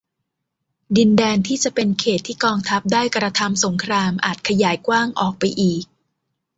ดินแดนที่จะเป็นเขตต์ที่กองทัพได้กระทำสงครามอาจขยายกว้างออกไปอีก